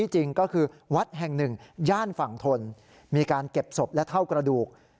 แห่งหนึ่งย่านฝั่งธลมีการเก็บศพและเท่ากระดูก